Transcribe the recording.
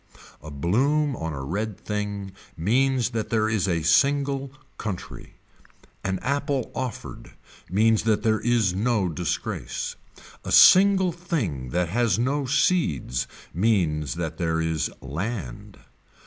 A bloom on a red thing means that there is a single country. An apple offered means that there is no disgrace. A single thing that has no seeds means that there is land.